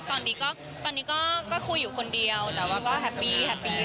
ตอนนี้ก็คุยอยู่คนเดียวแต่ว่าก็แฮปปี้